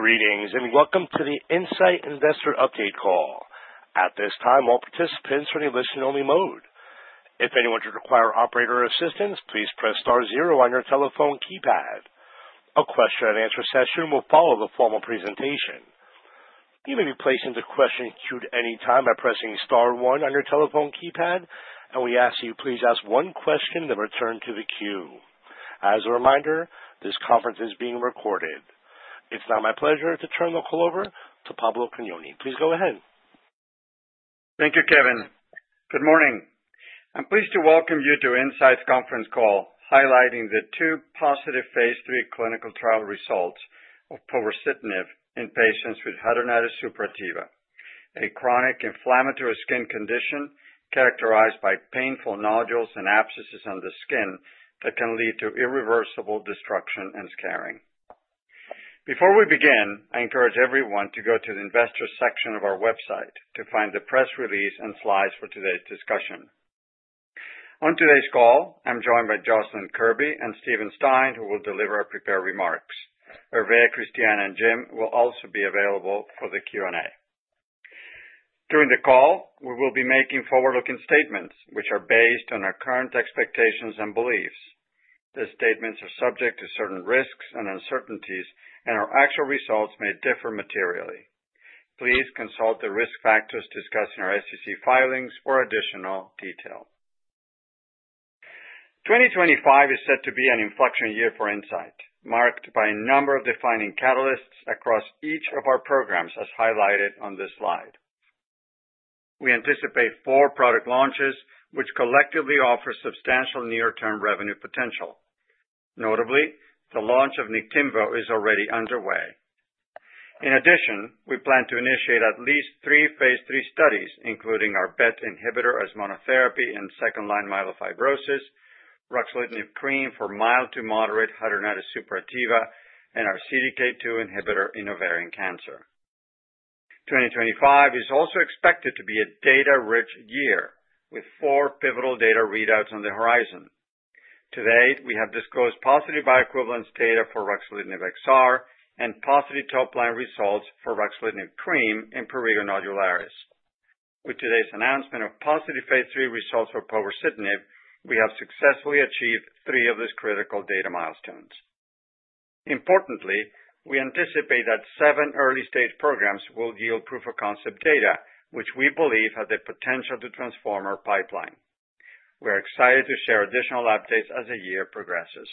Greetings and welcome to the Incyte Investor Update Call. At this time, all participants are in a listen-only mode. If anyone should require operator assistance, please press star zero on your telephone keypad. A question-and-answer session will follow the formal presentation. You may be placed into question queue at any time by pressing star one on your telephone keypad, and we ask that you please ask one question then return to the queue. As a reminder, this conference is being recorded. It's now my pleasure to turn the call over to Pablo Cagnoni. Please go ahead. Thank you, Kevin. Good morning. I'm pleased to welcome you to Incyte's conference call highlighting the two positive phase III clinical trial results of povorcitinib in patients with hidradenitis suppurativa, a chronic inflammatory skin condition characterized by painful nodules and abscesses on the skin that can lead to irreversible destruction and scarring. Before we begin, I encourage everyone to go to the investor section of our website to find the press release and slides for today's discussion. On today's call, I'm joined by Joslyn Kirby and Steven Stein, who will deliver prepared remarks. Hervé, Christiana, and Jim will also be available for the Q&A. During the call, we will be making forward-looking statements, which are based on our current expectations and beliefs. The statements are subject to certain risks and uncertainties, and our actual results may differ materially. Please consult the risk factors discussed in our SEC filings for additional detail. 2025 is set to be an inflection year for Incyte, marked by a number of defining catalysts across each of our programs, as highlighted on this slide. We anticipate four product launches, which collectively offer substantial near-term revenue potential. Notably, the launch of Niktimvo is already underway. In addition, we plan to initiate at least three phase III studies, including our BET inhibitor as monotherapy in second-line myelofibrosis, ruxolitinib cream for mild to moderate hidradenitis suppurativa, and our CDK2 inhibitor in ovarian cancer. 2025 is also expected to be a data-rich year, with four pivotal data readouts on the horizon. To date, we have disclosed positive bioequivalence data for ruxolitinib XR and positive top-line results for ruxolitinib cream in prurigo nodularis. With today's announcement of positive phase III results for povorcitinib, we have successfully achieved three of these critical data milestones. Importantly, we anticipate that seven early-stage programs will yield proof-of-concept data, which we believe has the potential to transform our pipeline. We're excited to share additional updates as the year progresses.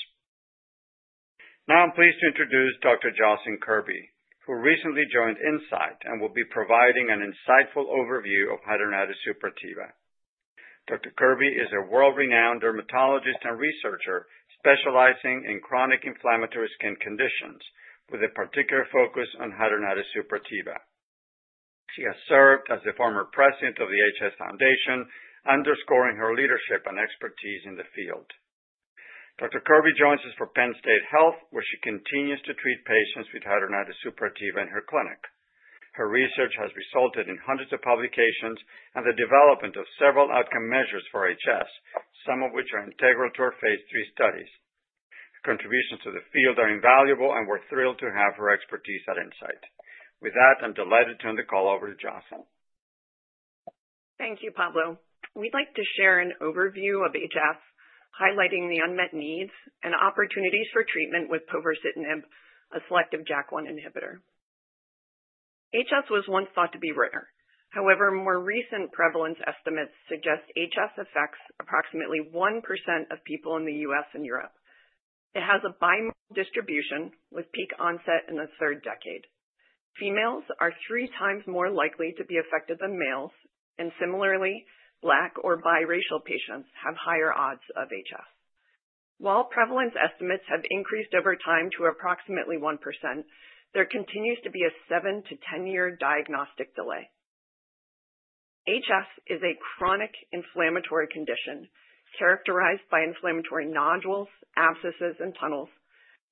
Now, I'm pleased to introduce Dr. Joslyn Kirby, who recently joined Incyte and will be providing an insightful overview of hidradenitis suppurativa. Dr. Kirby is a world-renowned dermatologist and researcher specializing in chronic inflammatory skin conditions, with a particular focus on hidradenitis suppurativa. She has served as the former president of the HS Foundation, underscoring her leadership and expertise in the field. Dr. Kirby joins us from Penn State Health, where she continues to treat patients with hidradenitis suppurativa in her clinic. Her research has resulted in hundreds of publications and the development of several outcome measures for HS, some of which are integral to her phase III studies. Her contributions to the field are invaluable, and we're thrilled to have her expertise at Incyte. With that, I'm delighted to turn the call over to Joslyn. Thank you, Pablo. We'd like to share an overview of HS, highlighting the unmet needs and opportunities for treatment with povorcitinib, a selective JAK1 inhibitor. HS was once thought to be rare. However, more recent prevalence estimates suggest HS affects approximately 1% of people in the U.S. and Europe. It has a bimodal distribution, with peak onset in the third decade. Females are three times more likely to be affected than males, and similarly, Black or biracial patients have higher odds of HS. While prevalence estimates have increased over time to approximately 1%, there continues to be a 7-10 year diagnostic delay. HS is a chronic inflammatory condition characterized by inflammatory nodules, abscesses, and tunnels,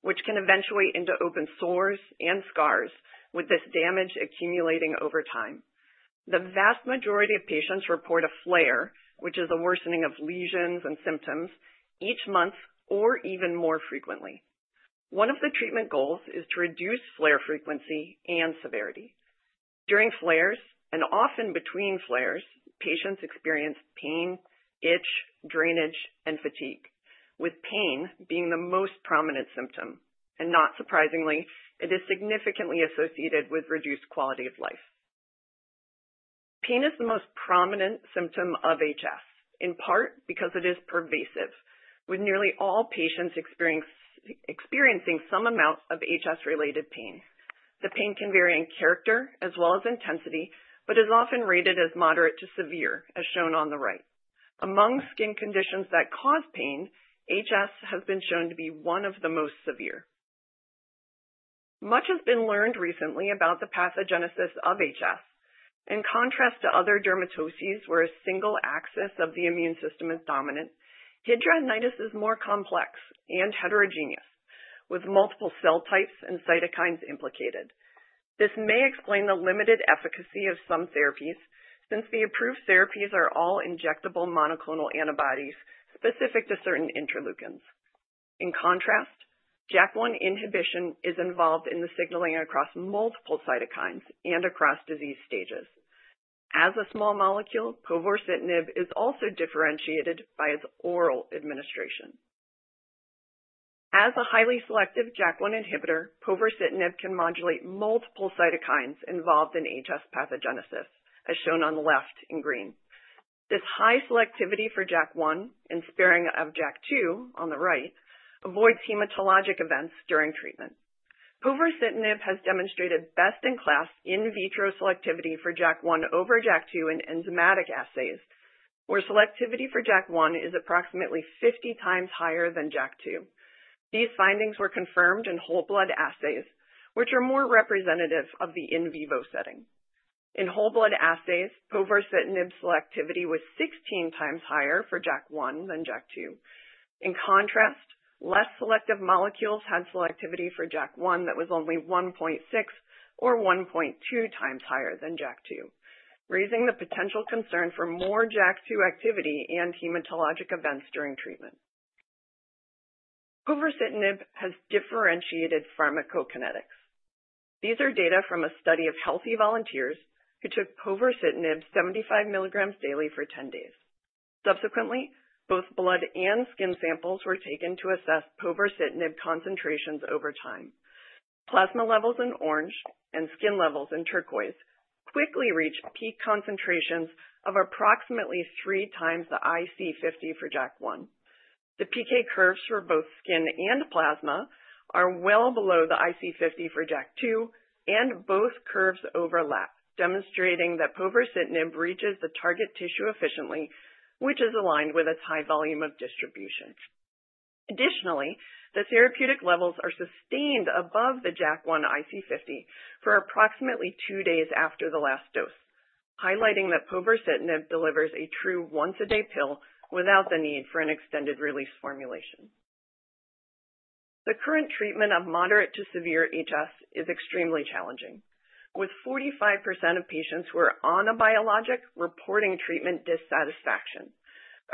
which can eventuate into open sores and scars, with this damage accumulating over time. The vast majority of patients report a flare, which is a worsening of lesions and symptoms, each month or even more frequently. One of the treatment goals is to reduce flare frequency and severity. During flares, and often between flares, patients experience pain, itch, drainage, and fatigue, with pain being the most prominent symptom. It is not surprising, it is significantly associated with reduced quality of life. Pain is the most prominent symptom of HS, in part because it is pervasive, with nearly all patients experiencing some amount of HS-related pain. The pain can vary in character as well as intensity, but is often rated as moderate to severe, as shown on the right. Among skin conditions that cause pain, HS has been shown to be one of the most severe. Much has been learned recently about the pathogenesis of HS. In contrast to other dermatoses, where a single axis of the immune system is dominant, hidradenitis is more complex and heterogeneous, with multiple cell types and cytokines implicated. This may explain the limited efficacy of some therapies, since the approved therapies are all injectable monoclonal antibodies specific to certain interleukins. In contrast, JAK1 inhibition is involved in the signaling across multiple cytokines and across disease stages. As a small molecule, povorcitinib is also differentiated by its oral administration. As a highly selective JAK1 inhibitor, povorcitinib can modulate multiple cytokines involved in HS pathogenesis, as shown on the left in green. This high selectivity for JAK1 and sparing of JAK2 on the right avoids hematologic events during treatment. Povorcitinib has demonstrated best-in-class in vitro selectivity for JAK1 over JAK2 in enzymatic assays, where selectivity for JAK1 is approximately 50 times higher than JAK2. These findings were confirmed in whole blood assays, which are more representative of the in vivo setting. In whole blood assays, povorcitinib selectivity was 16 times higher for JAK1 than JAK2. In contrast, less selective molecules had selectivity for JAK1 that was only 1.6 or 1.2 times higher than JAK2, raising the potential concern for more JAK2 activity and hematologic events during treatment. Povorcitinib has differentiated pharmacokinetics. These are data from a study of healthy volunteers who took povorcitinib 75 milligrams daily for 10 days. Subsequently, both blood and skin samples were taken to assess povorcitinib concentrations over time. Plasma levels in orange and skin levels in turquoise quickly reached peak concentrations of approximately three times the IC50 for JAK1. The PK curves for both skin and plasma are well below the IC50 for JAK2, and both curves overlap, demonstrating that povorcitinib reaches the target tissue efficiently, which is aligned with its high volume of distribution. Additionally, the therapeutic levels are sustained above the JAK1 IC50 for approximately two days after the last dose, highlighting that povorcitinib delivers a true once-a-day pill without the need for an extended-release formulation. The current treatment of moderate to severe HS is extremely challenging, with 45% of patients who are on a biologic reporting treatment dissatisfaction.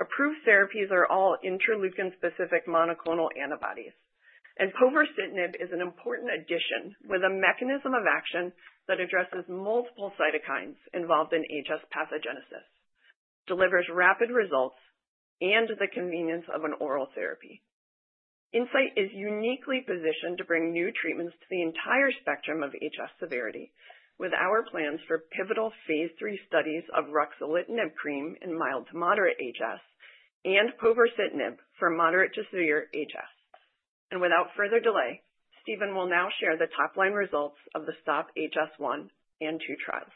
Approved therapies are all interleukin-specific monoclonal antibodies, and povorcitinib is an important addition with a mechanism of action that addresses multiple cytokines involved in HS pathogenesis, delivers rapid results, and the convenience of an oral therapy. Incyte is uniquely positioned to bring new treatments to the entire spectrum of HS severity, with our plans for pivotal phase III studies of ruxolitinib cream in mild to moderate HS and povorcitinib for moderate to severe HS. Without further delay, Steven will now share the top-line results of the STOP-HS1 and STOP-HS2 trials.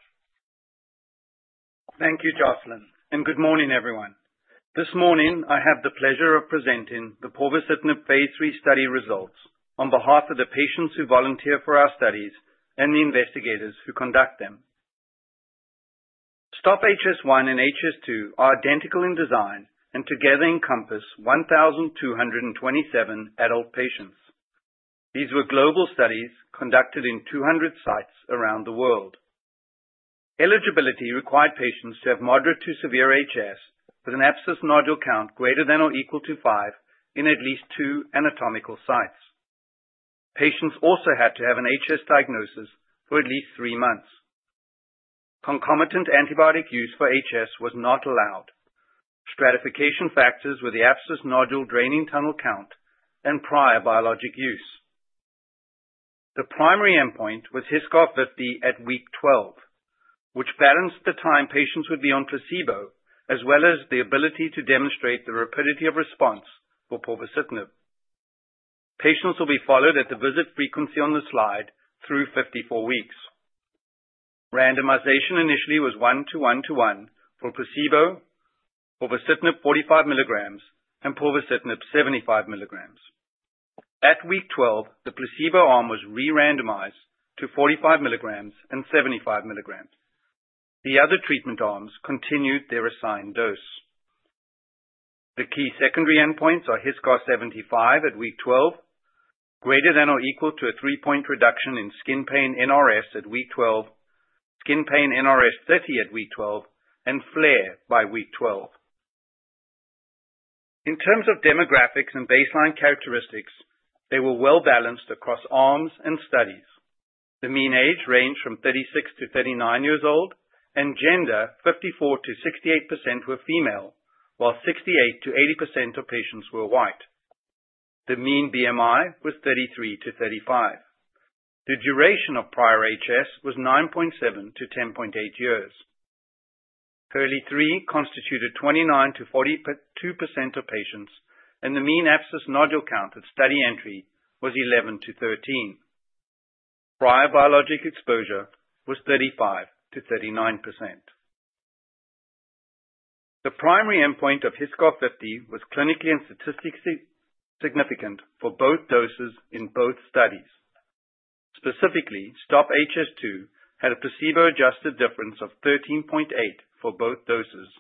Thank you, Joslyn, and good morning, everyone. This morning, I have the pleasure of presenting the povorcitinib phase III study results on behalf of the patients who volunteer for our studies and the investigators who conduct them. STOP-HS1 and STOP-HS2 are identical in design and together encompass 1,227 adult patients. These were global studies conducted in 200 sites around the world. Eligibility required patients to have moderate to severe HS with an abscess and nodule count greater than or equal to five in at least two anatomical sites. Patients also had to have an HS diagnosis for at least three months. Concomitant antibiotic use for HS was not allowed. Stratification factors were the abscess and nodule draining tunnel count and prior biologic use. The primary endpoint was HiSCR50 at week 12, which balanced the time patients would be on placebo as well as the ability to demonstrate the rapidity of response for povorcitinib. Patients will be followed at the visit frequency on the slide through 54 weeks. Randomization initially was 1-1-1 for placebo, povorcitinib 45 milligrams, and povorcitinib 75 milligrams. At week 12, the placebo arm was re-randomized to 45 milligrams and 75 milligrams. The other treatment arms continued their assigned dose. The key secondary endpoints are HiSCR75 at week 12, greater than or equal to a three-point reduction in skin pain NRS at week 12, skin pain NRS30 at week 12, and flare by week 12. In terms of demographics and baseline characteristics, they were well balanced across arms and studies. The mean age ranged from 36-39 years old, and gender 54%-68% were female, while 68%-80% of patients were white. The mean BMI was 33-35. The duration of prior HS was 9.7-10.8 years. Hurley stage 3 constituted 29%-42% of patients, and the mean abscess and nodule count at study entry was 11-13. Prior biologic exposure was 35%-39%. The primary endpoint of HiSCR50 was clinically and statistically significant for both doses in both studies. Specifically, STOP-HS2 had a placebo-adjusted difference of 13.8 for both doses,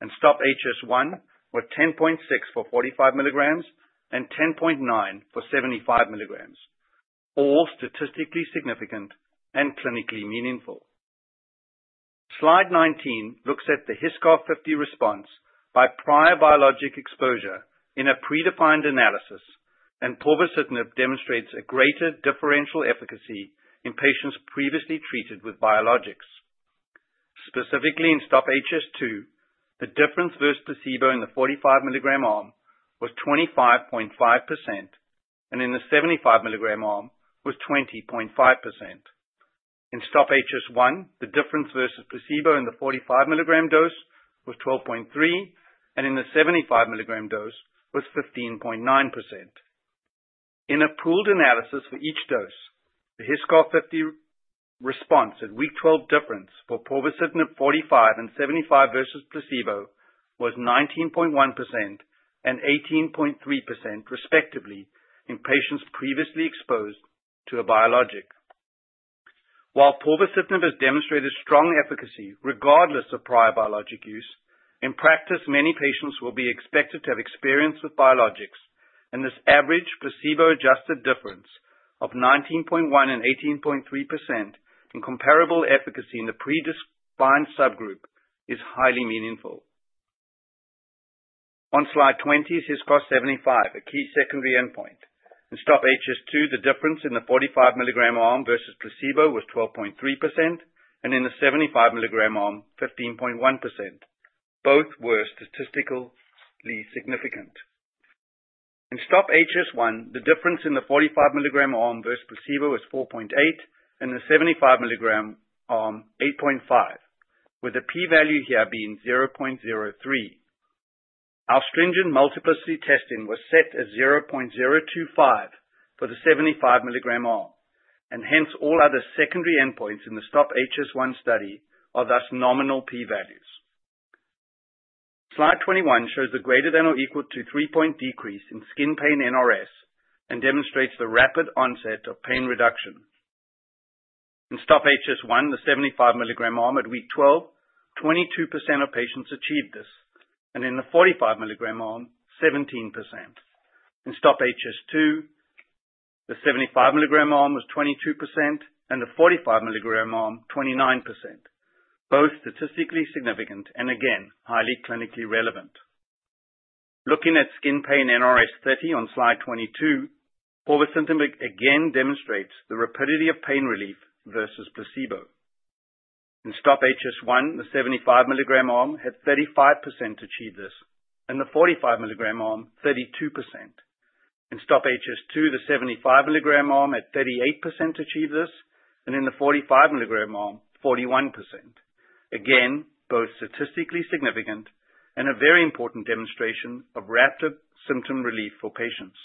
and STOP-HS1 were 10.6 for 45 milligrams and 10.9 for 75 milligrams, all statistically significant and clinically meaningful. Slide 19 looks at the HiSCR50 response by prior biologic exposure in a predefined analysis, and povorcitinib demonstrates a greater differential efficacy in patients previously treated with biologics. Specifically, in STOP-HS2, the difference versus placebo in the 45 milligram arm was 25.5%, and in the 75 milligram arm was 20.5%. In STOP-HS1, the difference versus placebo in the 45 milligram dose was 12.3%, and in the 75 milligram dose was 15.9%. In a pooled analysis for each dose, the HiSCR50 response at week 12 difference for povorcitinib 45 and 75 versus placebo was 19.1% and 18.3%, respectively, in patients previously exposed to a biologic. While povorcitinib has demonstrated strong efficacy regardless of prior biologic use, in practice, many patients will be expected to have experience with biologics, and this average placebo-adjusted difference of 19.1% and 18.3% in comparable efficacy in the predefined subgroup is highly meaningful. On slide 20 is HiSCR75, a key secondary endpoint. In STOP-HS2, the difference in the 45 milligram arm versus placebo was 12.3%, and in the 75 milligram arm, 15.1%, both were statistically significant. In STOP-HS1, the difference in the 45 milligram arm versus placebo was 4.8%, and in the 75 milligram arm, 8.5%, with the p-value here being 0.03. Astringent multiplicity testing was set as 0.025 for the 75 milligram arm, and hence all other secondary endpoints in the STOP-HS1 study are thus nominal p-values. Slide 21 shows the greater than or equal to three-point decrease in skin pain NRS and demonstrates the rapid onset of pain reduction. In STOP-HS1, the 75 milligram arm at week 12, 22% of patients achieved this, and in the 45 milligram arm, 17%. In STOP-HS2, the 75 milligram arm was 22%, and the 45 milligram arm, 29%, both statistically significant and again, highly clinically relevant. Looking at skin pain NRS 30 on slide 22, povorcitinib again demonstrates the rapidity of pain relief versus placebo. In STOP-HS1, the 75 milligram arm had 35% achieve this, and the 45 milligram arm, 32%. In STOP-HS2, the 75 milligram arm had 38% achieve this, and in the 45 milligram arm, 41%. Again, both statistically significant and a very important demonstration of rapid symptom relief for patients.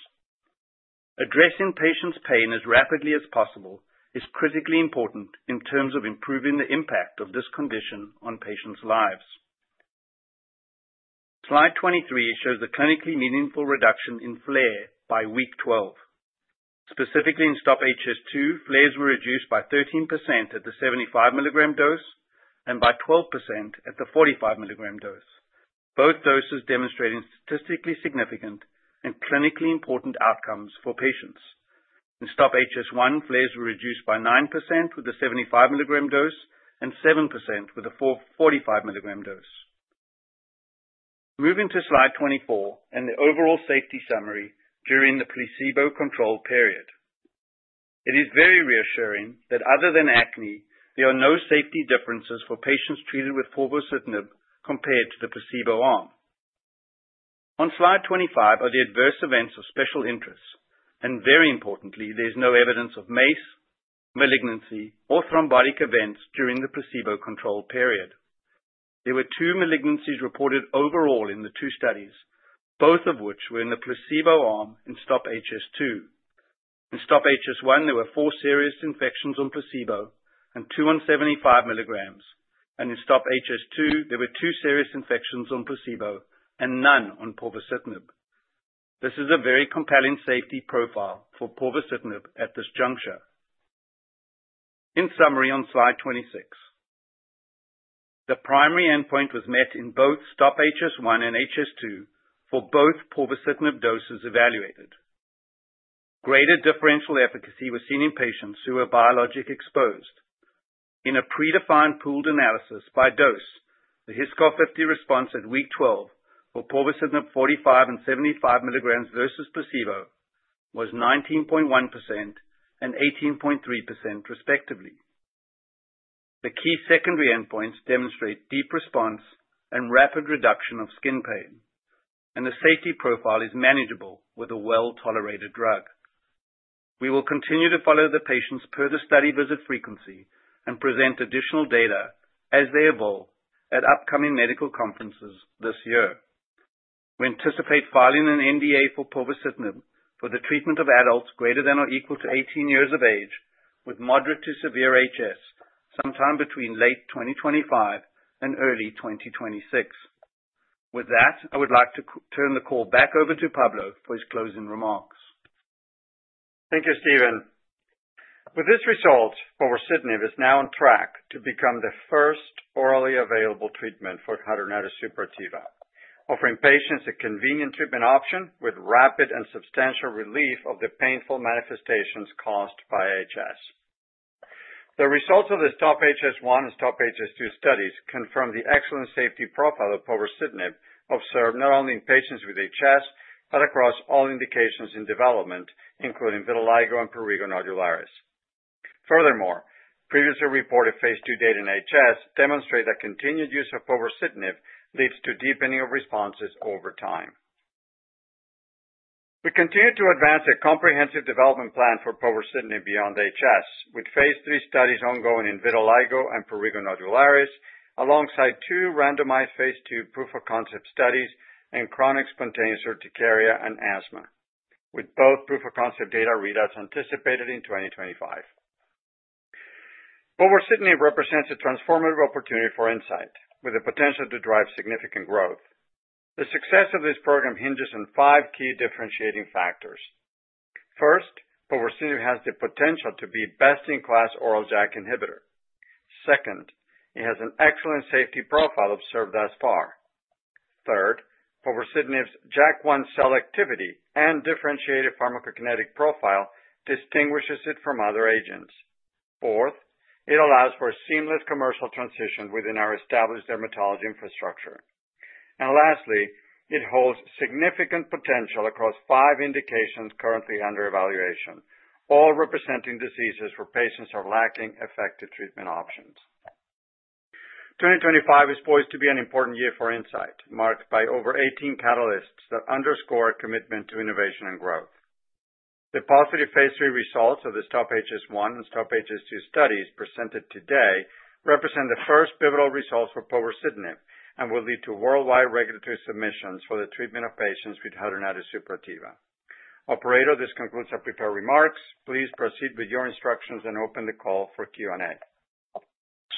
Addressing patients' pain as rapidly as possible is critically important in terms of improving the impact of this condition on patients' lives. Slide 23 shows the clinically meaningful reduction in flare by week 12. Specifically, in STOP-HS2, flares were reduced by 13% at the 75 milligram dose and by 12% at the 45 milligram dose. Both doses demonstrate statistically significant and clinically important outcomes for patients. In STOP-HS1, flares were reduced by 9% with the 75 milligram dose and 7% with the 45 milligram dose. Moving to slide 24 and the overall safety summary during the placebo-controlled period. It is very reassuring that other than acne, there are no safety differences for patients treated with povorcitinib compared to the placebo arm. On slide 25 are the adverse events of special interest, and very importantly, there is no evidence of MACE, malignancy, or thrombotic events during the placebo-controlled period. There were two malignancies reported overall in the two studies, both of which were in the placebo arm in STOP-HS2. In STOP-HS1, there were four serious infections on placebo and two on 75 milligrams, and in STOP-HS2, there were two serious infections on placebo and none on povorcitinib. This is a very compelling safety profile for povorcitinib at this juncture. In summary on slide 26, the primary endpoint was met in both STOP-HS1 and STOP-HS2 for both povorcitinib doses evaluated. Greater differential efficacy was seen in patients who were biologic exposed. In a predefined pooled analysis by dose, the HiSCR50 response at week 12 for povorcitinib 45 and 75 milligrams versus placebo was 19.1% and 18.3%, respectively. The key secondary endpoints demonstrate deep response and rapid reduction of skin pain, and the safety profile is manageable with a well-tolerated drug. We will continue to follow the patients per the study visit frequency and present additional data as they evolve at upcoming medical conferences this year. We anticipate filing an NDA for povorcitinib for the treatment of adults greater than or equal to 18 years of age with moderate to severe HS sometime between late 2025 and early 2026. With that, I would like to turn the call back over to Pablo for his closing remarks. Thank you, Steven. With this result, povorcitinib is now on track to become the first orally available treatment for hidradenitis suppurativa, offering patients a convenient treatment option with rapid and substantial relief of the painful manifestations caused by HS. The results of the STOP-HS1 and STOP-HS2 studies confirm the excellent safety profile of povorcitinib observed not only in patients with HS but across all indications in development, including vitiligo and prurigo nodularis. Furthermore, previously reported phase II data in HS demonstrate that continued use of povorcitinib leads to deepening of responses over time. We continue to advance a comprehensive development plan for povorcitinib beyond HS, with phase III studies ongoing in vitiligo and prurigo nodularis, alongside two randomized phase II proof-of-concept studies in chronic spontaneous urticaria and asthma, with both proof-of-concept data readouts anticipated in 2025. Povorcitinib represents a transformative opportunity for Incyte, with the potential to drive significant growth. The success of this program hinges on five key differentiating factors. First, povorcitinib has the potential to be a best-in-class oral JAK inhibitor. Second, it has an excellent safety profile observed thus far. Third, povorcitinib's JAK1 cell activity and differentiated pharmacokinetic profile distinguishes it from other agents. Fourth, it allows for a seamless commercial transition within our established dermatology infrastructure. Lastly, it holds significant potential across five indications currently under evaluation, all representing diseases where patients are lacking effective treatment options. 2025 is poised to be an important year for Incyte, marked by over 18 catalysts that underscore our commitment to innovation and growth. The positive phase III results of the STOP-HS1 and STOP-HS2 studies presented today represent the first pivotal results for povorcitinib and will lead to worldwide regulatory submissions for the treatment of patients with hidradenitis suppurativa. Operator, this concludes our prepared remarks. Please proceed with your instructions and open the call for Q&A.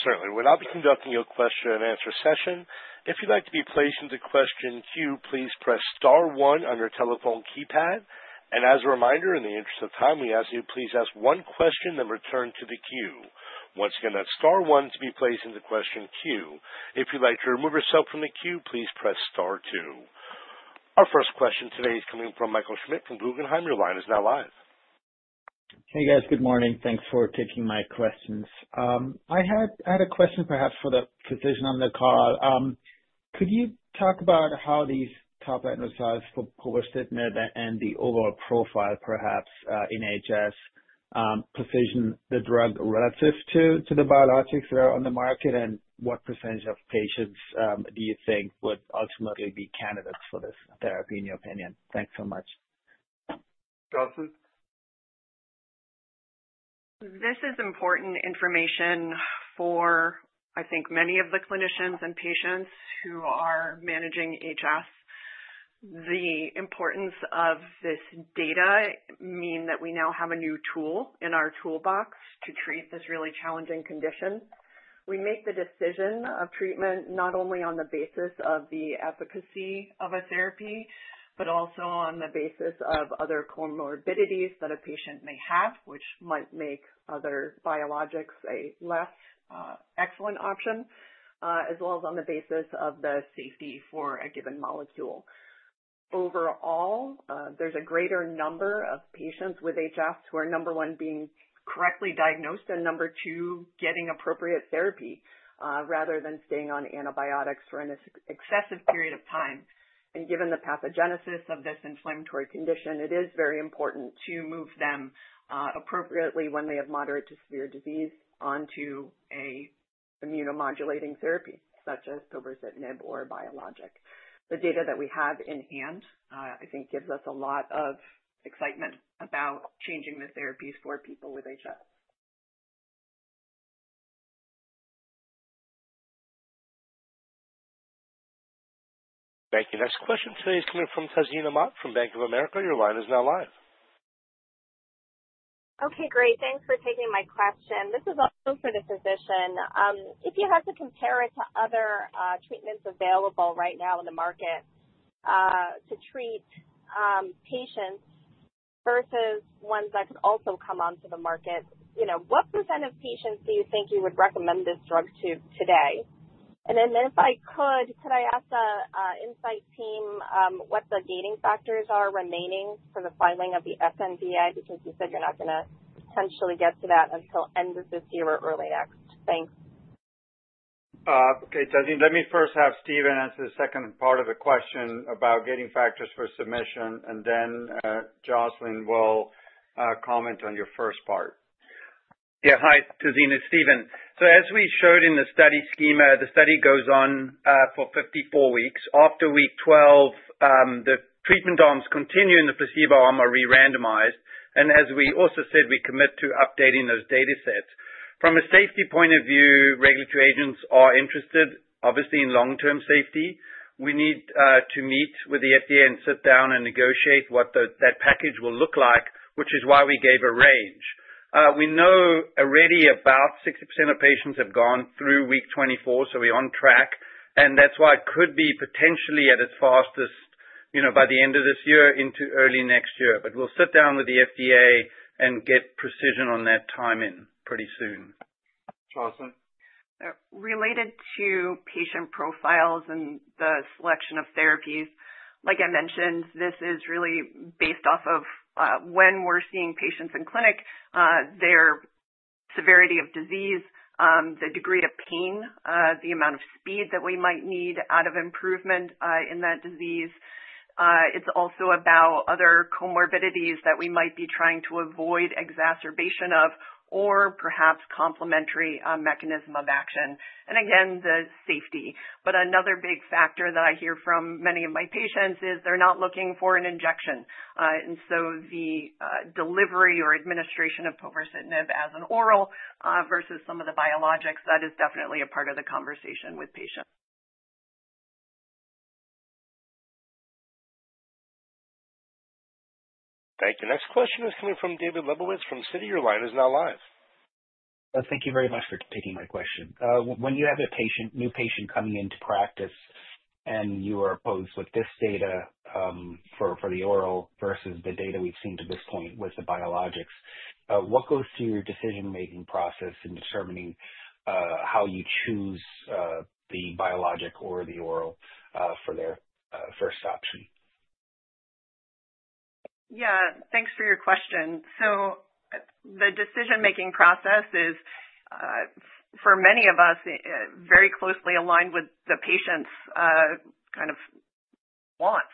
Certainly. I will be conducting your question and answer session. If you'd like to be placed into question queue, please press star one on your telephone keypad. As a reminder, in the interest of time, we ask that you please ask one question and return to the queue. Once again, that's star one to be placed into question queue. If you'd like to remove yourself from the queue, please press star two. Our first question today is coming from Michael Schmidt from Guggenheim. Your line is now live. Hey, guys. Good morning. Thanks for taking my questions. I had a question perhaps for the physician on the call. Could you talk about how these top adversities for povorcitinib and the overall profile, perhaps in HS, position the drug relative to the biologics that are on the market, and what percentage of patients do you think would ultimately be candidates for this therapy, in your opinion? Thanks so much. Joslyn. This is important information for, I think, many of the clinicians and patients who are managing HS. The importance of this data means that we now have a new tool in our toolbox to treat this really challenging condition. We make the decision of treatment not only on the basis of the efficacy of a therapy, but also on the basis of other comorbidities that a patient may have, which might make other biologics a less excellent option, as well as on the basis of the safety for a given molecule. Overall, there's a greater number of patients with HS, where number one being correctly diagnosed and number two getting appropriate therapy rather than staying on antibiotics for an excessive period of time. Given the pathogenesis of this inflammatory condition, it is very important to move them appropriately when they have moderate to severe disease onto an immunomodulating therapy such as povorcitinib or a biologic. The data that we have in hand, I think, gives us a lot of excitement about changing the therapies for people with HS. Thank you. Next question today is coming from Tazeen Ahmad from Bank of America. Your line is now live. Okay, great. Thanks for taking my question. This is also for the physician. If you had to compare it to other treatments available right now in the market to treat patients versus ones that could also come onto the market, what percent of patients do you think you would recommend this drug to today? If I could, could I ask the Incyte team what the gating factors are remaining for the filing of the FNDA? Because you said you're not going to potentially get to that until the end of this year or early next. Thanks. Okay, Tazeen, let me first have Steven answer the second part of the question about gating factors for submission, and then Joslyn will comment on your first part. Yeah, hi, Tazeen it's Steven. As we showed in the study schema, the study goes on for 54 weeks. After week 12, the treatment arms continue and the placebo arm are re-randomized. As we also said, we commit to updating those data sets. From a safety point of view, regulatory agents are interested, obviously, in long-term safety. We need to meet with the FDA and sit down and negotiate what that package will look like, which is why we gave a range. We know already about 60% of patients have gone through week 24, so we're on track. That is why it could be potentially at its fastest by the end of this year into early next year. We will sit down with the FDA and get precision on that timing pretty soon. Joslyn. Related to patient profiles and the selection of therapies, like I mentioned, this is really based off of when we're seeing patients in clinic, their severity of disease, the degree of pain, the amount of speed that we might need out of improvement in that disease. It's also about other comorbidities that we might be trying to avoid exacerbation of or perhaps complementary mechanism of action. Again, the safety. Another big factor that I hear from many of my patients is they're not looking for an injection. The delivery or administration of povorcitinib as an oral versus some of the biologics, that is definitely a part of the conversation with patients. Thank you. Next question is coming from David Lebowitz from Citi. Your line is now live. Thank you very much for taking my question. When you have a new patient coming into practice and you are posed with this data for the oral versus the data we've seen to this point with the biologics, what goes through your decision-making process in determining how you choose the biologic or the oral for their first option? Yeah, thanks for your question. The decision-making process is, for many of us, very closely aligned with the patient's kind of wants.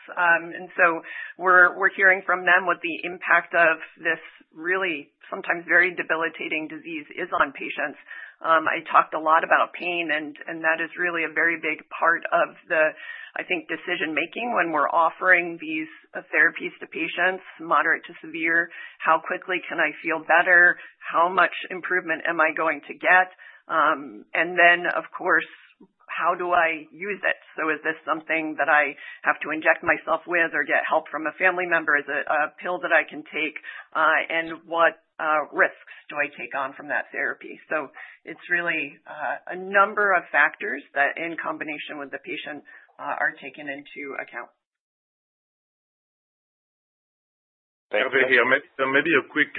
We're hearing from them what the impact of this really sometimes very debilitating disease is on patients. I talked a lot about pain, and that is really a very big part of the, I think, decision-making when we're offering these therapies to patients, moderate to severe. How quickly can I feel better? How much improvement am I going to get? Of course, how do I use it? Is this something that I have to inject myself with or get help from a family member? Is it a pill that I can take? What risks do I take on from that therapy? It's really a number of factors that, in combination with the patient, are taken into account. Thank you. Maybe a quick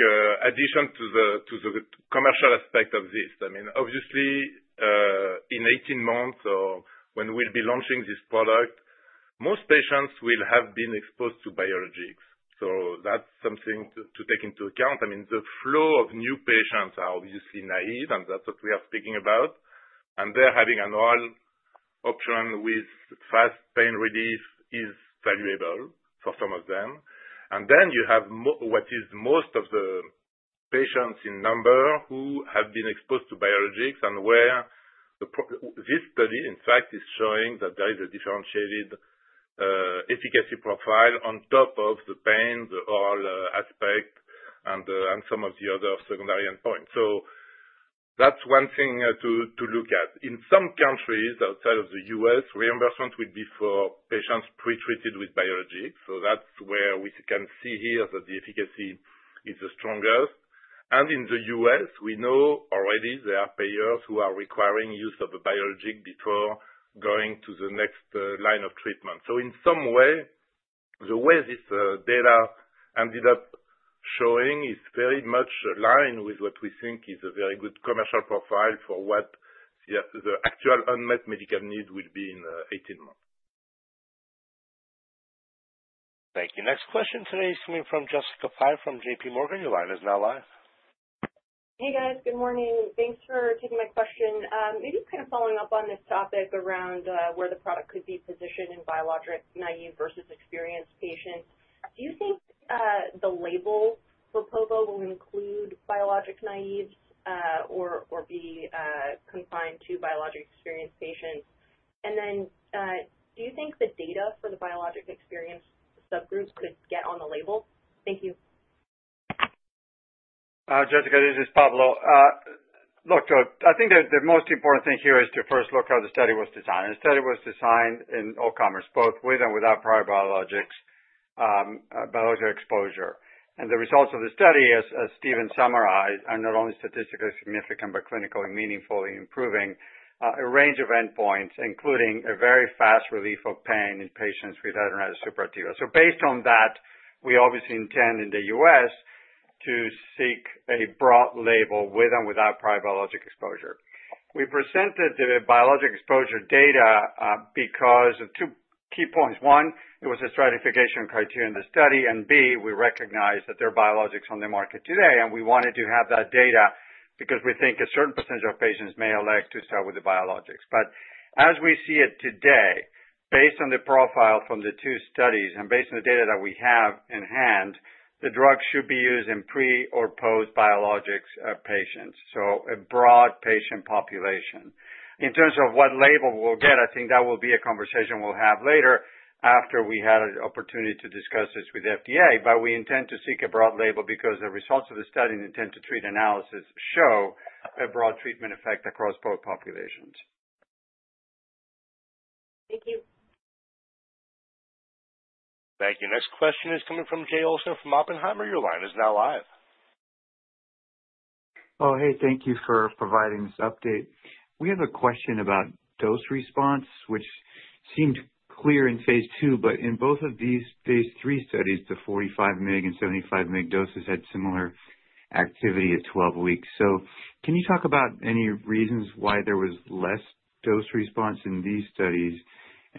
addition to the commercial aspect of this. I mean, obviously, in 18 months or when we'll be launching this product, most patients will have been exposed to biologics. That's something to take into account. I mean, the flow of new patients are obviously naive, and that's what we are speaking about. They're having an oral option with fast pain relief is valuable for some of them. Then you have what is most of the patients in number who have been exposed to biologics and where this study, in fact, is showing that there is a differentiated efficacy profile on top of the pain, the oral aspect, and some of the other secondary endpoints. That's one thing to look at. In some countries outside of the U.S., reimbursement would be for patients pre-treated with biologics. That's where we can see here that the efficacy is the strongest. In the U.S., we know already there are payers who are requiring use of a biologic before going to the next line of treatment. In some way, the way this data ended up showing is very much aligned with what we think is a very good commercial profile for what the actual unmet medical need will be in 18 months. Thank you. Next question today is coming from Jessica Fye from JPMorgan. Your line is now live. Hey, guys. Good morning. Thanks for taking my question. Maybe kind of following up on this topic around where the product could be positioned in biologic naïve versus experienced patients. Do you think the label for povo will include biologic naives or be confined to biologic experienced patients? Do you think the data for the biologic experienced subgroup could get on the label? Thank you. Jessica, this is Pablo. Look, I think the most important thing here is to first look how the study was designed. The study was designed in all comers, both with and without prior biologics exposure. The results of the study, as Steven summarized, are not only statistically significant but clinically meaningful in improving a range of endpoints, including a very fast relief of pain in patients with hidradenitis suppurativa. Based on that, we obviously intend in the U.S. to seek a broad label with and without prior biologic exposure. We presented the biologic exposure data because of two key points. One, it was a stratification criteria in the study. B, we recognize that there are biologics on the market today. We wanted to have that data because we think a certain percentage of patients may elect to start with the biologics. As we see it today, based on the profile from the two studies and based on the data that we have in hand, the drug should be used in pre or post biologics patients, so a broad patient population. In terms of what label we'll get, I think that will be a conversation we'll have later after we had an opportunity to discuss this with FDA. We intend to seek a broad label because the results of the study and intent-to-treat analysis show a broad treatment effect across both populations. Thank you. Thank you. Next question is coming from Jay Olson from Oppenheimer. Your line is now live. Oh, hey, thank you for providing this update. We have a question about dose response, which seemed clear in phase II. In both of these phase III studies, the 45mg and 75mg doses had similar activity at 12 weeks. Can you talk about any reasons why there was less dose response in these studies?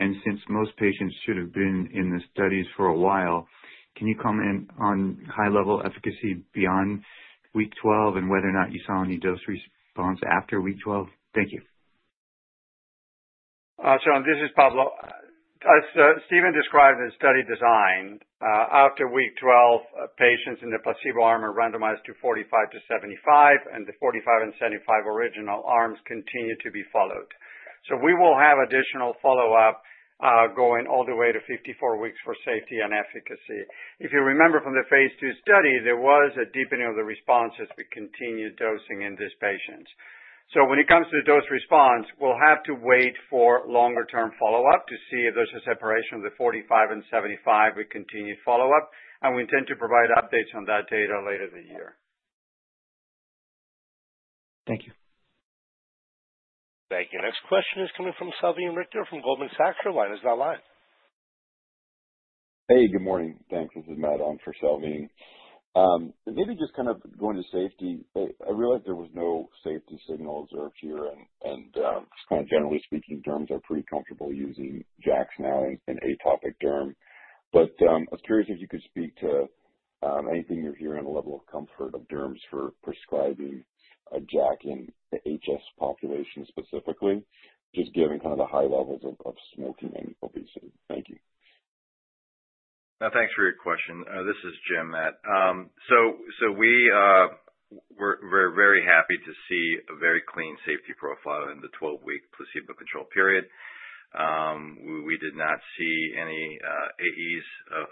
Since most patients should have been in the studies for a while, can you comment on high-level efficacy beyond week 12 and whether or not you saw any dose response after week 12? Thank you. John, this is Pablo. As Steven described the study design, after week 12, patients in the placebo arm are randomized to 45-75, and the 45 and 75 original arms continue to be followed. We will have additional follow-up going all the way to 54 weeks for safety and efficacy. If you remember from the phase II study, there was a deepening of the response as we continued dosing in these patients. When it comes to the dose response, we'll have to wait for longer-term follow-up to see if there's a separation of the 45 and 75 with continued follow-up. We intend to provide updates on that data later in the year. Thank you. Thank you. Next question is coming from Salveen Richter from Goldman Sachs. Your line is now live. Hey, good morning. Thanks. This is Matt on for Salveen. Maybe just kind of going to safety, I realized there were no safety signals or cure. Just kind of generally speaking, derms are pretty comfortable using jacks now in atopic derm. I was curious if you could speak to anything you're hearing on the level of comfort of derms for prescribing a jack in the HS population specifically, just given kind of the high levels of smoking and obesity. Thank you. Thanks for your question. This is Jim, Matt. We were very happy to see a very clean safety profile in the 12-week placebo control period. We did not see any AEs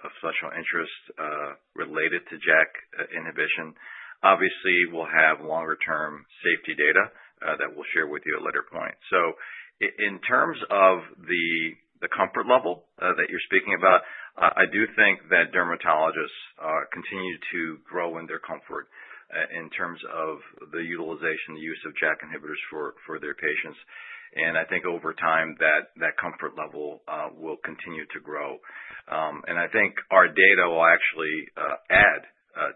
of special interest related to JAK inhibition. Obviously, we will have longer-term safety data that we will share with you at a later point. In terms of the comfort level that you are speaking about, I do think that dermatologists continue to grow in their comfort in terms of the utilization, the use of JAK inhibitors for their patients. I think over time that comfort level will continue to grow. I think our data will actually add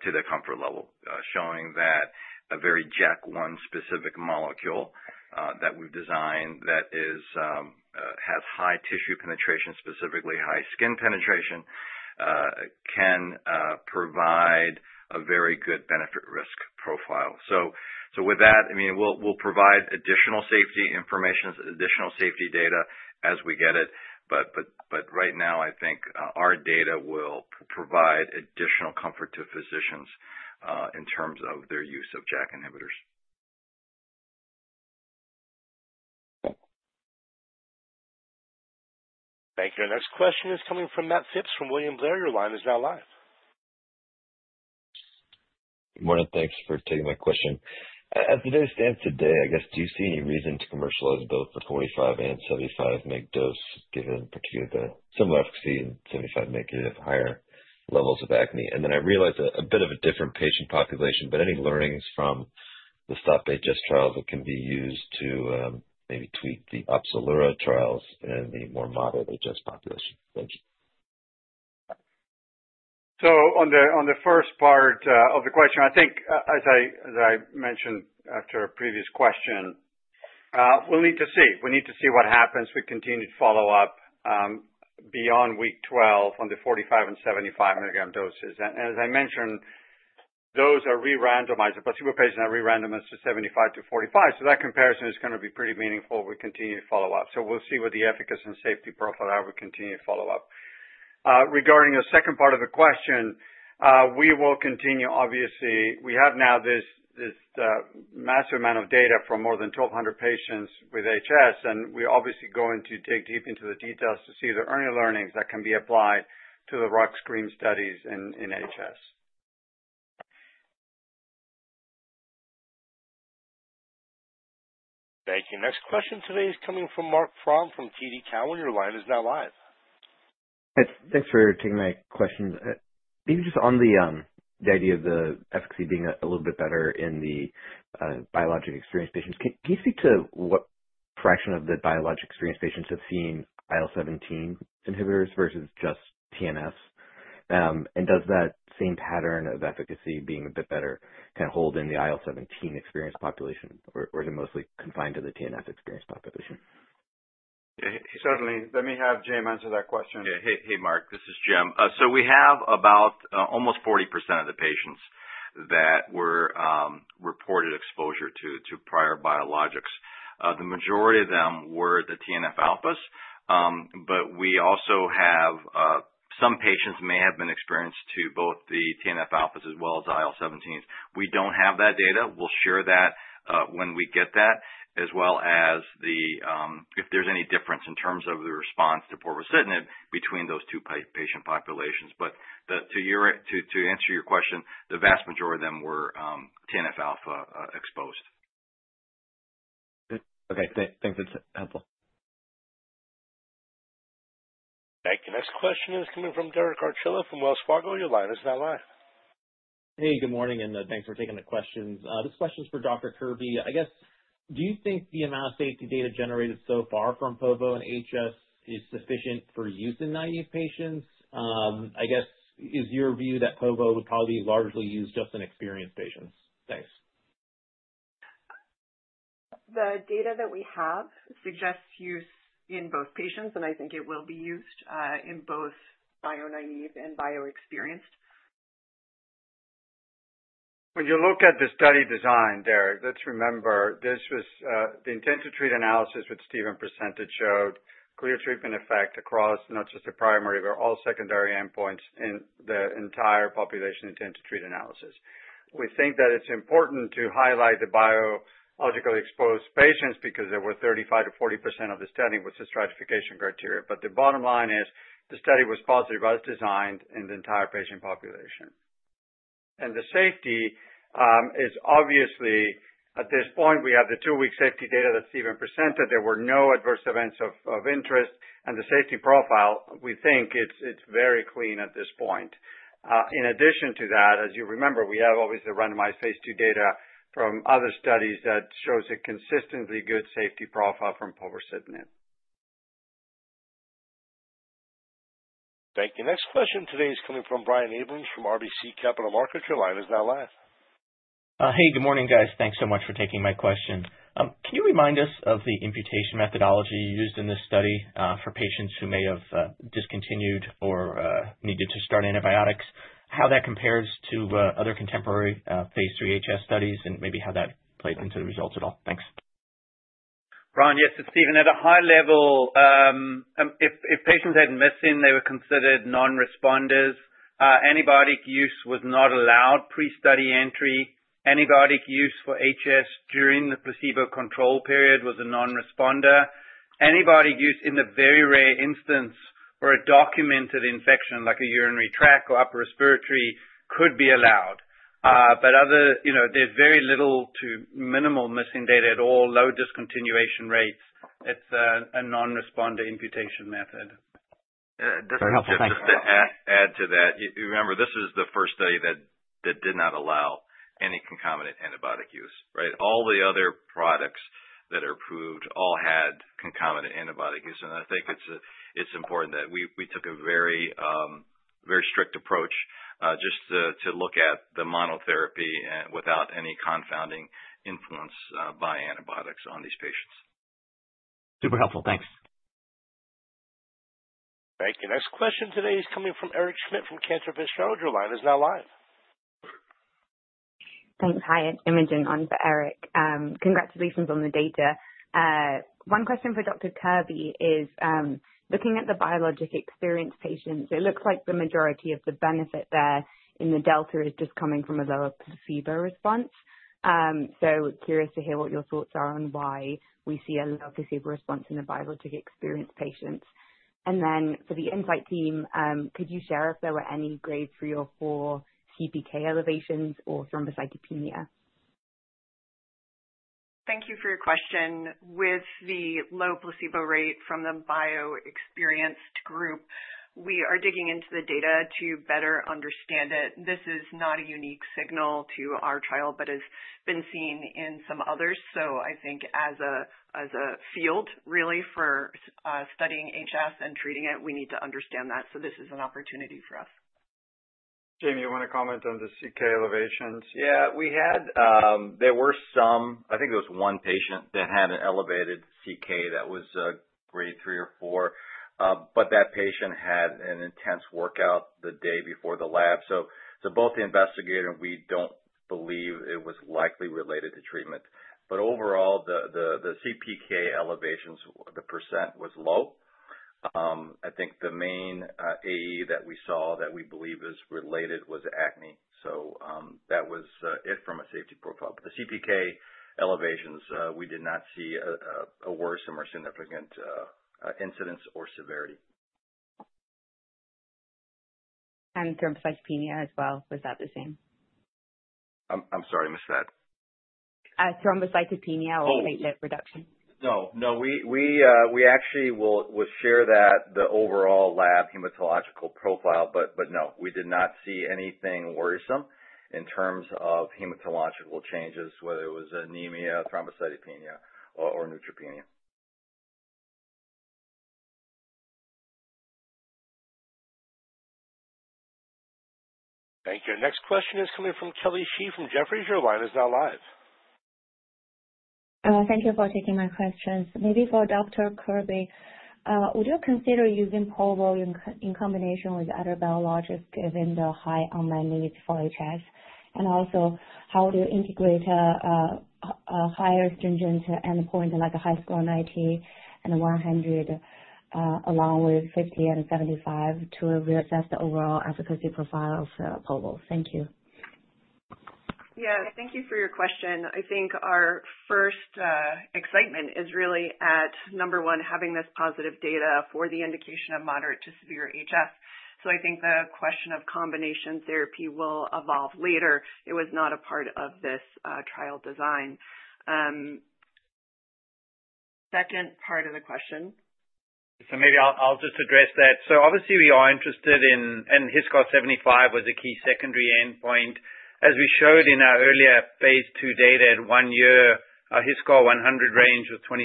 to the comfort level, showing that a very JAK1-specific molecule that we have designed that has high tissue penetration, specifically high skin penetration, can provide a very good benefit-risk profile. I mean, we'll provide additional safety information, additional safety data as we get it. Right now, I think our data will provide additional comfort to physicians in terms of their use of JAK inhibitors. Thank you. Next question is coming from Matt Phipps from William Blair. Your line is now live. Good morning. Thanks for taking my question. As the day stands today, I guess, do you see any reason to commercialize both the 45mg and 75mg dose, given particularly the similar efficacy and 75mg giving higher levels of acne? I realize a bit of a different patient population, but any learnings from the STOP-HS trials that can be used to maybe tweak the Opzelura trials in the more moderate HS population? Thank you. On the first part of the question, I think, as I mentioned after a previous question, we'll need to see. We need to see what happens with continued follow-up beyond week 12 on the 45mg and 75mg doses. As I mentioned, those are re-randomized. The placebo patients are re-randomized to 75 to 45. That comparison is going to be pretty meaningful with continued follow-up. We'll see what the efficacy and safety profile are with continued follow-up. Regarding the second part of the question, we will continue, obviously. We have now this massive amount of data from more than 1,200 patients with HS. We're obviously going to dig deep into the details to see the earlier learnings that can be applied to the rux cream studies in HS. Thank you. Next question today is coming from Marc Frahm from TD Cowen. Your line is now live. Thanks for taking my question. Maybe just on the idea of the efficacy being a little bit better in the biologic experienced patients, can you speak to what fraction of the biologic experienced patients have seen IL-17 inhibitors versus just TNFs? Does that same pattern of efficacy being a bit better kind of hold in the IL-17 experienced population, or is it mostly confined to the TNF experienced population? Certainly. Let me have Jim answer that question. Yeah. Hey, Mark. This is Jim. We have about almost 40% of the patients that were reported exposure to prior biologics. The majority of them were the TNF alphas. We also have some patients may have been exposed to both the TNF alphas as well as IL-17s. We do not have that data. We will share that when we get that, as well as if there is any difference in terms of the response to povorcitinib between those two patient populations. To answer your question, the vast majority of them were TNF alpha exposed. Okay. Thanks. That's helpful. Thank you. Next question is coming from Derek Archila from Wells Fargo. Your line is now live. Hey, good morning. Thanks for taking the questions. This question is for Dr. Kirby. I guess, do you think the amount of safety data generated so far from povo and HS is sufficient for use in naive patients? I guess, is your view that povo would probably be largely used just in experienced patients? Thanks. The data that we have suggests use in both patients. I think it will be used in both bio-naive and bio-experienced. When you look at the study design, Derek, let's remember the intent-to-treat analysis that Steven presented showed clear treatment effect across not just the primary but all secondary endpoints in the entire population intent-to-treat analysis. We think that it's important to highlight the biologically exposed patients because there were 35%-40% of the study with the stratification criteria. The bottom line is the study was positively designed in the entire patient population. The safety is obviously at this point, we have the two-week safety data that Steven presented. There were no adverse events of interest. The safety profile, we think it's very clean at this point. In addition to that, as you remember, we have obviously randomized phase II data from other studies that shows a consistently good safety profile from povorcitinib. Thank you. Next question today is coming from Brian Abrahams from RBC Capital Markets. Your line is now live. Hey, good morning, guys. Thanks so much for taking my question. Can you remind us of the imputation methodology used in this study for patients who may have discontinued or needed to start antibiotics, how that compares to other contemporary phase III HS studies, and maybe how that played into the results at all? Thanks. Brian, yes, it's Steven. At a high level, if patients had medicine, they were considered non-responders. Antibiotic use was not allowed pre-study entry. Antibiotic use for HS during the placebo control period was a non-responder. Antibiotic use in the very rare instance where a documented infection like a urinary tract or upper respiratory could be allowed. There is very little to minimal missing data at all, low discontinuation rates. It's a non-responder imputation method. This is just to add to that. You remember, this is the first study that did not allow any concomitant antibiotic use, right? All the other products that are approved all had concomitant antibiotic use. I think it's important that we took a very strict approach just to look at the monotherapy without any confounding influence by antibiotics on these patients. Super helpful. Thanks. Thank you. Next question today is coming from Eric Schmidt from Cantor Fitzgerald. Your line is now live. Thanks. Hi, Imogen on for Eric. Congratulations on the data. One question for Dr. Kirby is looking at the biologic experienced patients, it looks like the majority of the benefit there in the delta is just coming from a lower placebo response. Curious to hear what your thoughts are on why we see a lower placebo response in the biologic experienced patients. For the Incyte team, could you share if there were any grade three or four CPK elevations or thrombocytopenia? Thank you for your question. With the low placebo rate from the bio-experienced group, we are digging into the data to better understand it. This is not a unique signal to our trial but has been seen in some others. I think as a field, really, for studying HS and treating it, we need to understand that. This is an opportunity for us. Jim, you want to comment on the CK elevations? Yeah. There were some. I think there was one patient that had an elevated CK that was grade three or four. That patient had an intense workout the day before the lab. Both the investigator and we do not believe it was likely related to treatment. Overall, the CPK elevations, the % was low. I think the main AE that we saw that we believe is related was acne. That was it from a safety profile. The CPK elevations, we did not see a worse or more significant incidence or severity. Was that the same for thrombocytopenia as well? I'm sorry. I missed that. Thrombocytopenia or platelet reduction? No. No. We actually will share the overall lab hematological profile. No, we did not see anything worrisome in terms of hematological changes, whether it was anemia, thrombocytopenia, or neutropenia. Thank you. Next question is coming from Kelly Shi from Jefferies. Your line is now live. Thank you for taking my questions. Maybe for Dr. Kirby, would you consider using povo in combination with other biologics given the high unmet needs for HS? Also, how do you integrate a higher stringent endpoint like a HiSCR90 and 100 along with 50 and 75 to reassess the overall efficacy profile of povo? Thank you. Yeah. Thank you for your question. I think our first excitement is really at number one, having this positive data for the indication of moderate to severe HS. I think the question of combination therapy will evolve later. It was not a part of this trial design. Second part of the question. Maybe I'll just address that. Obviously, we are interested in and HiSCR75 was a key secondary endpoint. As we showed in our earlier phase II data at one year, our HiSCR100 range was 22%-29%.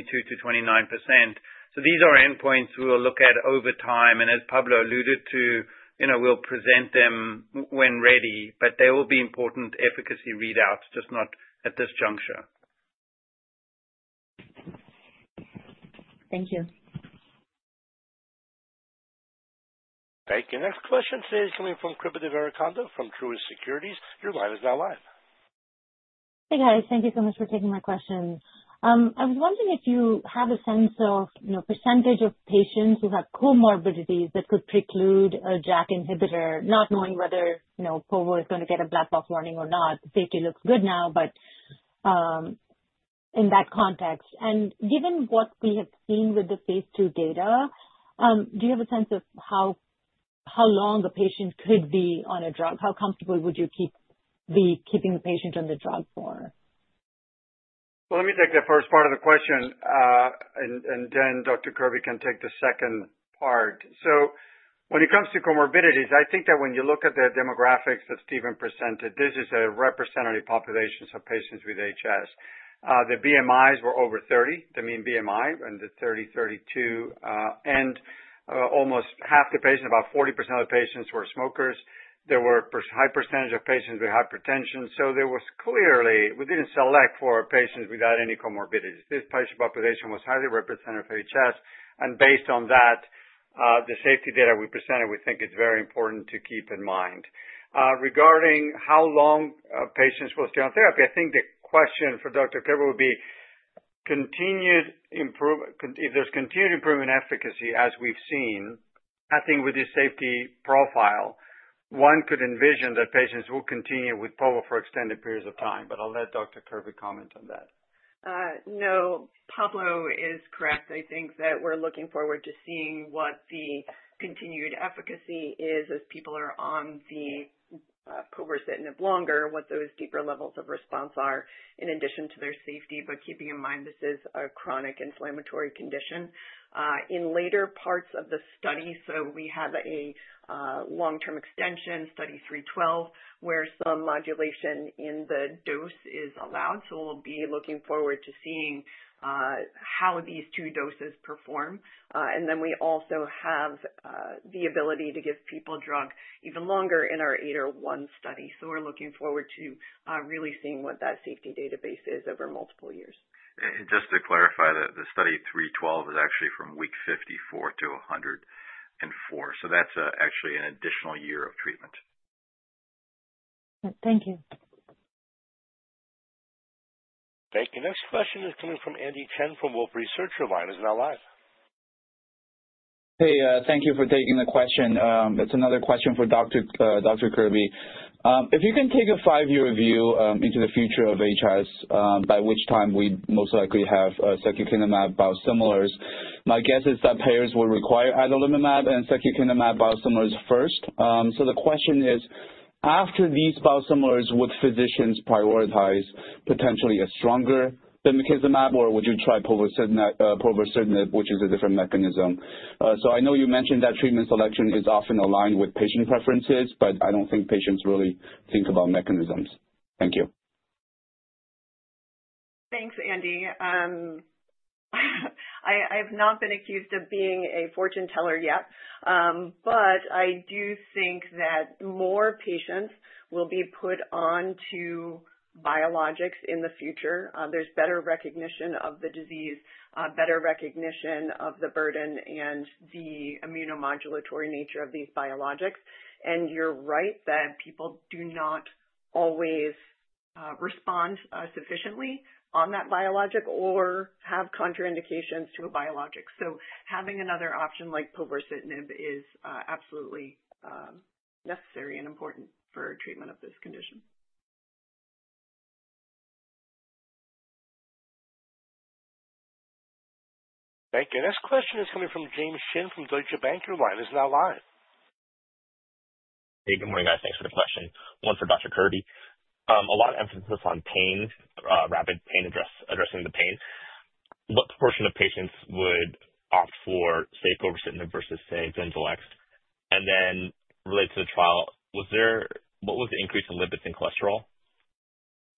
These are endpoints we will look at over time. As Pablo alluded to, we'll present them when ready. They will be important efficacy readouts, just not at this juncture. Thank you. Thank you. Next question today is coming from Srikripa Devarakonda from Truist Securities. Your line is now live. Hey, guys. Thank you so much for taking my questions. I was wondering if you have a sense of percentage of patients who have comorbidities that could preclude a JAK inhibitor, not knowing whether povo is going to get a black box warning or not. The safety looks good now, but in that context. Given what we have seen with the phase II data, do you have a sense of how long a patient could be on a drug? How comfortable would you be keeping the patient on the drug for? Let me take the first part of the question. Then Dr. Kirby can take the second part. When it comes to comorbidities, I think that when you look at the demographics that Steven presented, this is a representative population of patients with HS. The BMIs were over 30, the mean BMI, and the 30/32. Almost half the patients, about 40% of the patients, were smokers. There were a high percentage of patients with hypertension. There was clearly we did not select for patients without any comorbidities. This patient population was highly representative for HS. Based on that, the safety data we presented, we think it is very important to keep in mind. Regarding how long patients will stay on therapy, I think the question for Dr. Kirby would be if there's continued improvement in efficacy as we've seen, I think with this safety profile, one could envision that patients will continue with povo for extended periods of time. I will let Dr. Kirby comment on that. No. Pablo is correct. I think that we're looking forward to seeing what the continued efficacy is as people are on the povorcitinib longer, what those deeper levels of response are in addition to their safety. Keeping in mind, this is a chronic inflammatory condition. In later parts of the study, we have a long-term extension, study 312, where some modulation in the dose is allowed. We will be looking forward to seeing how these two doses perform. We also have the ability to give people drug even longer in our 801 study. We are looking forward to really seeing what that safety database is over multiple years. Just to clarify, the study 312 is actually from week 54 to 104. That is actually an additional year of treatment. Thank you. Thank you. Next question is coming from Andy Chen from Wolfe Research. Your line is now live. Hey, thank you for taking the question. It's another question for Dr. Kirby. If you can take a five-year view into the future of HS, by which time we most likely have adalimumab and cyclosporine biosimilars, my guess is that payers will require adalimumab and cyclosporine biosimilars first. The question is, after these biosimilars, would physicians prioritize potentially a stronger bimekizumab, or would you try povorcitinib, which is a different mechanism? I know you mentioned that treatment selection is often aligned with patient preferences, but I don't think patients really think about mechanisms. Thank you. Thanks, Andy. I have not been accused of being a fortune teller yet. I do think that more patients will be put onto biologics in the future. There is better recognition of the disease, better recognition of the burden and the immunomodulatory nature of these biologics. You are right that people do not always respond sufficiently on that biologic or have contraindications to a biologic. Having another option like povorcitinib is absolutely necessary and important for treatment of this condition. Thank you. Next question is coming from James Chen from Deutsche Bank. Your line is now live. Hey, good morning, guys. Thanks for the question. One for Dr. Kirby. A lot of emphasis on pain, rapid pain addressing the pain. What portion of patients would opt for, say, povorcitinib versus, say, Cosentyx? And then related to the trial, what was the increase in lipids and cholesterol?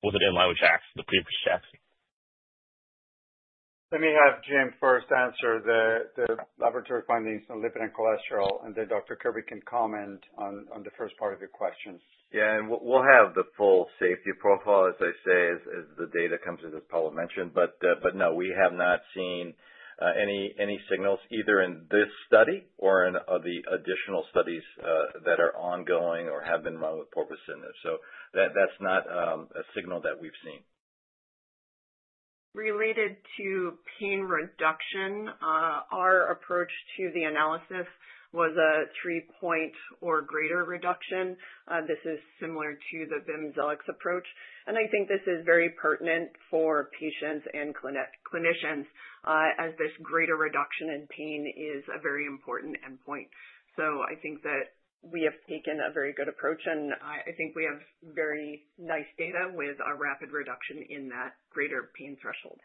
Was it in lieu of the previous checks? Let me have Jim first answer the laboratory findings on lipid and cholesterol, and then Dr. Kirby can comment on the first part of your questions. Yeah. We'll have the full safety profile, as I say, as the data comes in, as Pablo mentioned. No, we have not seen any signals either in this study or in the additional studies that are ongoing or have been run with povorcitinib. That's not a signal that we've seen. Related to pain reduction, our approach to the analysis was a three-point or greater reduction. This is similar to the bimodal approach. I think this is very pertinent for patients and clinicians as this greater reduction in pain is a very important endpoint. I think that we have taken a very good approach, and I think we have very nice data with a rapid reduction in that greater pain threshold.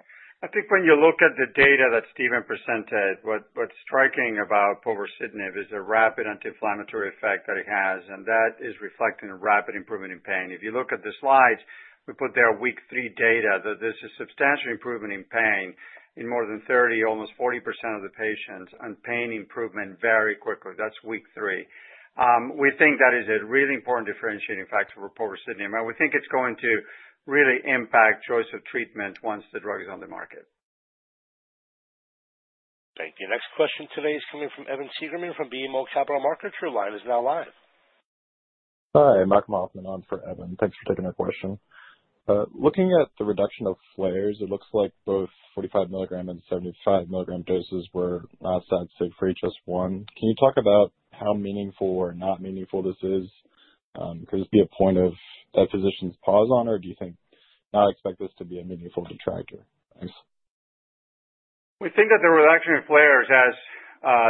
I think when you look at the data that Steven presented, what's striking about povorcitinib is the rapid anti-inflammatory effect that it has. That is reflecting a rapid improvement in pain. If you look at the slides, we put there Week 3 data that there's a substantial improvement in pain in more than 30%, almost 40% of the patients, and pain improvement very quickly. That's Week 3. We think that is a really important differentiating factor for povorcitinib. We think it's going to really impact choice of treatment once the drug is on the market. Thank you. Next question today is coming from Evan Seigerman from BMO Capital Markets. Your line is now live. Hi, I'm Malcolm Hoffman. I'm for Evan. Thanks for taking our question. Looking at the reduction of flares, it looks like both 45 milligram and 75 milligram doses were not that safe for HS1. Can you talk about how meaningful or not meaningful this is? Could this be a point of that physician's pause on, or do you think now expect this to be a meaningful detractor? We think that the reduction in flares, as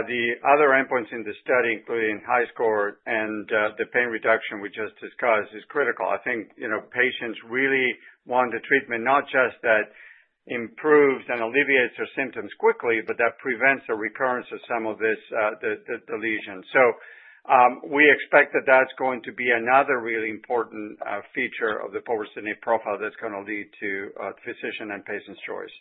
the other endpoints in the study, including HiSCR and the pain reduction we just discussed, is critical. I think patients really want the treatment not just that improves and alleviates their symptoms quickly, but that prevents a recurrence of some of the lesions. We expect that that's going to be another really important feature of the povorcitinib profile that's going to lead to physician and patient's choice.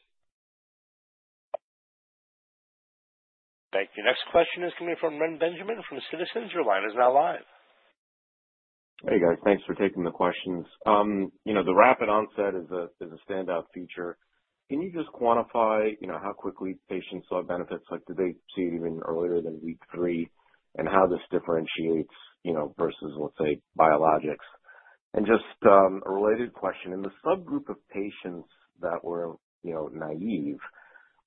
Thank you. Next question is coming from Reni Benjamin from Citizens. Your line is now live. Hey, guys. Thanks for taking the questions. The rapid onset is a standout feature. Can you just quantify how quickly patients saw benefits? Did they see it even earlier than Week 3? How does this differentiate versus, let's say, biologics? Just a related question. In the subgroup of patients that were naïve,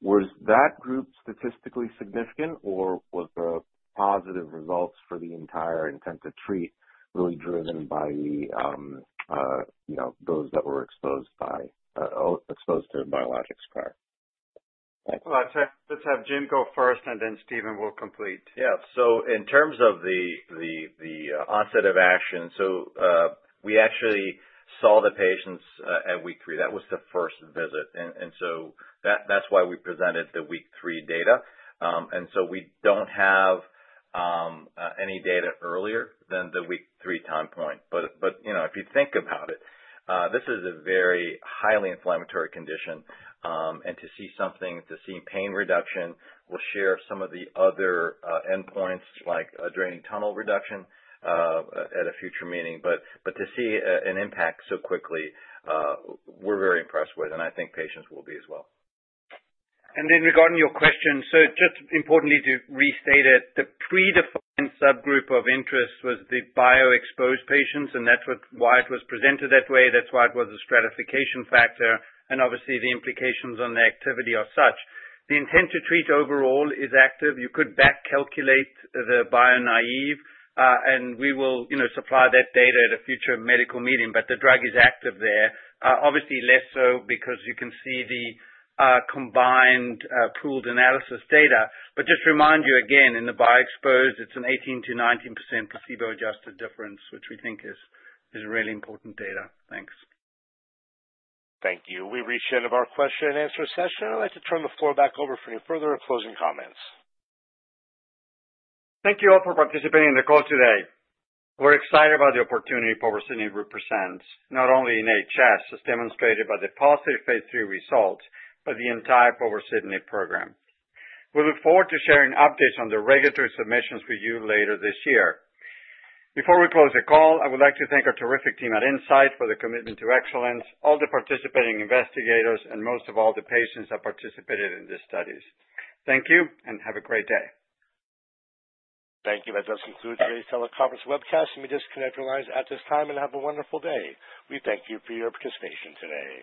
was that group statistically significant, or were the positive results for the entire intent-to-treat really driven by those that were exposed to biologics prior? Let's have Jim go first, and then Steven will complete. Yeah. In terms of the onset of action, we actually saw the patients at Week 3. That was the first visit. That is why we presented the Week 3 data. We do not have any data earlier than the Week 3 time point. If you think about it, this is a very highly inflammatory condition. To see something, to see pain reduction, we will share some of the other endpoints like a draining tunnel reduction at a future meeting. To see an impact so quickly, we are very impressed with. I think patients will be as well. Regarding your question, just importantly to restate it, the predefined subgroup of interest was the bio-exposed patients. That is why it was presented that way. That is why it was a stratification factor. Obviously, the implications on the activity are such. The intent-to treat overall is active. You could back-calculate the bio-naïve. We will supply that data at a future medical meeting. The drug is active there, obviously less so because you can see the combined pooled analysis data. Just remind you again, in the bio-exposed, it is an 18%-19% placebo-adjusted difference, which we think is really important data. Thanks. Thank you. We reached the end of our question and answer session. I'd like to turn the floor back over for any further closing comments. Thank you all for participating in the call today. We're excited about the opportunity povorcitinib represents, not only in HS, as demonstrated by the positive phase III results, but the entire povorcitinib program. We look forward to sharing updates on the regulatory submissions with you later this year. Before we close the call, I would like to thank our terrific team at Incyte for the commitment to excellence, all the participating investigators, and most of all, the patients that participated in these studies. Thank you and have a great day. Thank you. That does conclude today's teleconference webcast. Let me just disconnect your lines at this time and have a wonderful day. We thank you for your participation today.